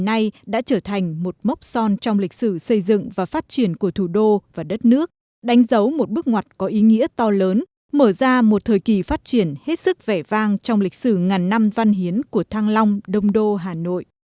hôm nay đã trở thành một mốc son trong lịch sử xây dựng và phát triển của thủ đô và đất nước đánh dấu một bước ngoặt có ý nghĩa to lớn mở ra một thời kỳ phát triển hết sức vẻ vang trong lịch sử ngàn năm văn hiến của thăng long đông đô hà nội